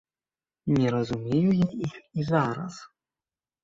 Не разумею я іх і зараз.